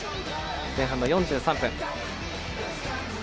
前半の４３分。